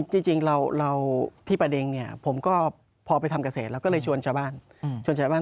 จริงเราที่ป่าเด็งเนี่ยผมก็พอไปทำเกษตรแล้วก็เลยชวนชาวบ้าน